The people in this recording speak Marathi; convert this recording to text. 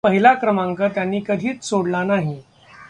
पहिला क्रमांक त्यांनी कधीच सोडला नाही.